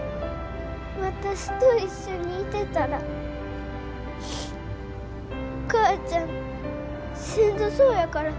私と一緒にいてたらお母ちゃんしんどそうやから。